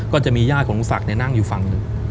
ก็จะมีญาติของลูกศักดิ์เนี่ยนั่งอยู่ฟังหนึ่ง